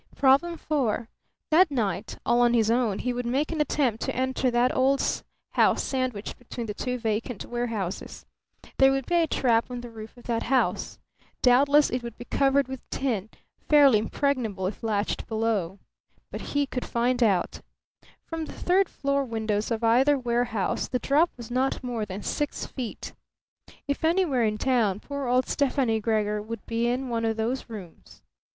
Problem Four. That night, all on his own, he would make an attempt to enter that old house sandwiched between the two vacant warehouses. Through pressure of authority he had obtained keys to both warehouses. There would be a trap on the roof of that house. Doubtless it would be covered with tin; fairly impregnable if latched below. But he could find out. From the third floor windows of either warehouse the drop was not more than six feet. If anywhere in town poor old Stefani Gregor would be in one of those rooms.